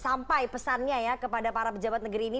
sampai pesannya ya kepada para pejabat negeri ini